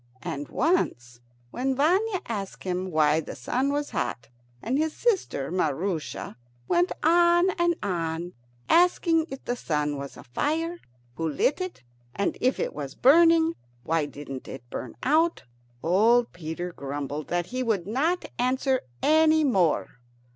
And once, when Vanya asked him why the sun was hot, and his sister Maroosia went on and on asking if the sun was a fire, who lit it? and if it was burning, why didn't it burn out? old Peter grumbled that he would not answer any more.